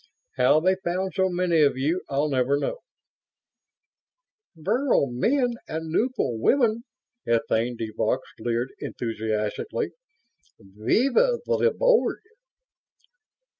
How they found so many of you I'll never know." "Virile men and nubile women!" Etienne de Vaux leered enthusiastically. "_Vive le Board!